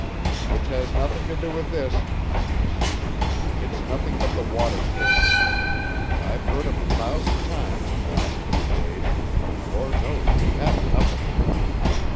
"Which has nothing to do with this," I answered. "It's nothing but the water pigs. I've heard 'em a thousand times in the last few days. And the Lord knows we have enough of them."